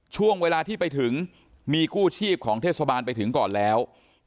ช่วงเวลาที่ไปถึงมีกู้ชีพของเทศบาลไปถึงก่อนแล้ว